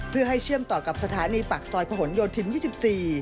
เพื่อให้เชื่อมต่อกับสถานีปากซอยผนโยธิน๒๔